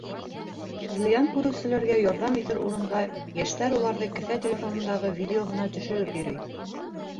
Зыян күреүселәргә ярҙам итер урынға йәштәр уларҙы кеҫә телефонындағы видеоһына төшөрөп йөрөй.